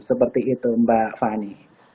seperti itu mbak fani